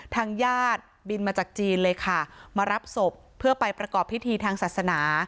ทางญาติบินมาจากจีนเลยค่ะมารับศพเพื่อไปประกอบพิธีทางศาสนา